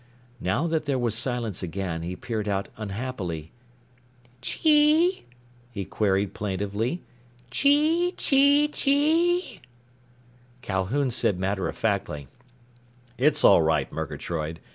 Now that there was silence again, he peered out unhappily. "Chee?" he queried plaintively. "Chee chee chee?" Calhoun said matter of factly, "It's all right, Murgatroyd.